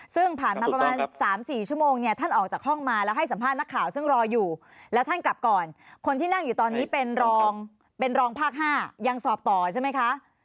ซึ่งผ่านมาประมาณ๓๔ชั่วโมงเนี่ยท่านออกจากห้องมาแล้วให้สัมภาษณ์นักข่าวซึ่งรออยู่แล้วท่านกลับก่อนคนที่นั่งอยู่ตอนนี้เป็นรองเป็นรองภาค๕ยังสอบต่อใช่ไหมคะ